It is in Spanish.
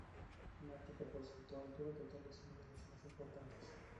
En África por su altura total es una de las más importantes.